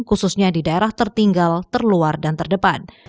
khususnya di daerah tertinggal terluar dan terdepan